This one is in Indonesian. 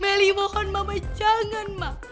meli mohon mama jangan ma